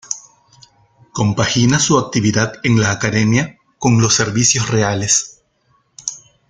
Compagina su actividad en la academia con los servicios reales.